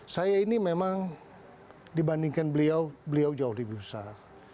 saya ini memang dibandingkan beliau beliau jauh lebih besar